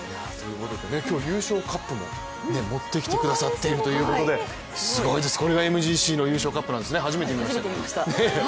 今日、優勝カップも持ってきてくださっているということですごいです、これがＭＧＣの優勝カップなんですね初めて見ました。